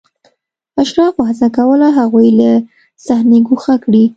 اشرافو هڅه کوله هغوی له صحنې ګوښه کړي.